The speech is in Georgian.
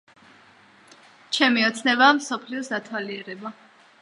ჩემი ოცნებაა მსოფლიოს დათვალიერება